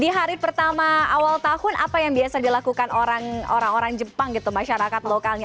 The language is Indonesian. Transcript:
di hari pertama awal tahun apa yang biasa dilakukan orang orang jepang gitu masyarakat lokalnya